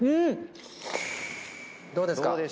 ・どうですか？